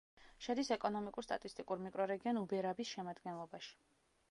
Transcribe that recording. შედის ეკონომიკურ-სტატისტიკურ მიკრორეგიონ უბერაბის შემადგენლობაში.